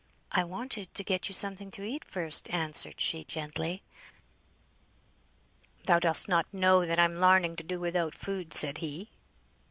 "I wanted to get you something to eat first," answered she, gently. "Thou dost not know that I'm larning to do without food," said he.